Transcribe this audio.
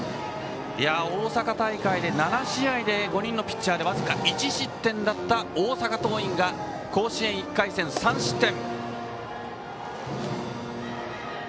大阪大会で７試合５人のピッチャーで僅か１失点だった大阪桐蔭が甲子園１回戦で３失点。